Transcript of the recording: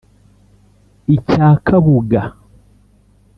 icya Kabuga